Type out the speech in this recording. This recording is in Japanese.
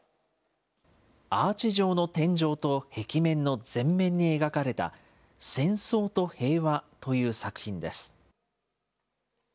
アーチ状の天井と壁面の全面に描かれた、戦争と平和という作品です。